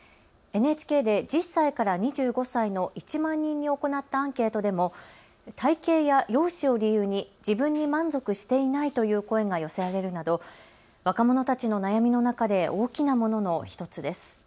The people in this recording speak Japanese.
ＮＨＫで１０歳から２５歳の１万人に行ったアンケートでも体型や容姿を理由に自分に満足していないという声が寄せられるなど若者たちの悩みの中で大きなものの１つです。